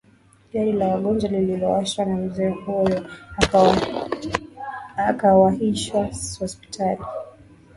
gari la wagonjwa lililowashwa na mzee huyo akawahishwa hospitali